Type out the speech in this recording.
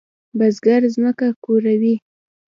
بزګر زمکه کوري.